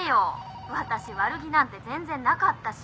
「私悪気なんて全然なかったし」